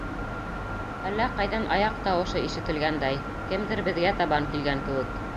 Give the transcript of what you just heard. Әллә ҡайҙан аяҡ тауышы ишетелгәндәй, кемдер беҙгә табан килгән кеүек.